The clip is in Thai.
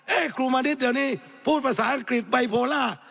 เมื่อกี้พูดภาษาอังกฤษใบโพล่า